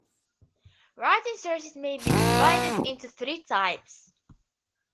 Written sources may be divided into three types.